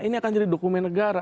ini akan jadi dokumen negara